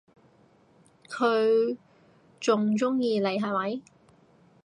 佢仲鍾意你係咪？